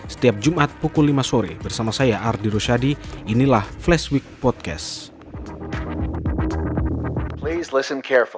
setiap jumat pukul lima sore bersama saya ardy roshadi inilah flashweek podcast